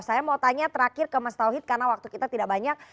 saya mau tanya terakhir ke mas tauhid karena waktu kita tidak banyak